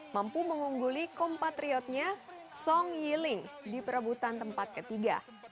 mampu mengungguli kompatriotnya song yi ling di perebutan tempat ketiga